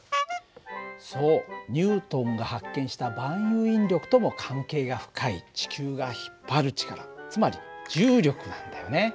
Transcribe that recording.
そうニュートンが発見した万有引力とも関係が深い地球が引っ張る力つまり重力なんだよね。